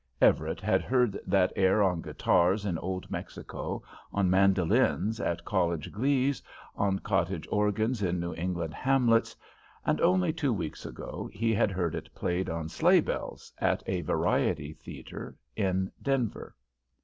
Everett had heard that air on guitars in Old Mexico, on mandolins at college glees, on cottage organs in New England hamlets, and only two weeks ago he had heard it played on sleigh bells at a variety theatre in Denver.